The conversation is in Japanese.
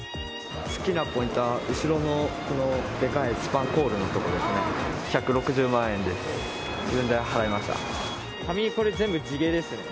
好きなポイントは、後ろのこのでかいスパンコールのとこですね、１６０万円です。